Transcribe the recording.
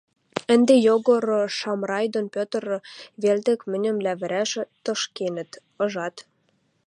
— Ӹнде, Йогор, Шамрай дон Петр велдӹк мӹньӹм лявӹрӓш ташкынет, ыжат?